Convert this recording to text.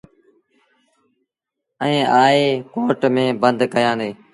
ائيٚݩ آئي ڪوٽ ميݩ بند ڪيآݩدي۔